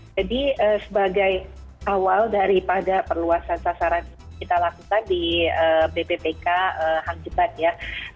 jadi sebagai awal daripada perluasan sasaran ini kita lakukan di bbpk hang jebat ya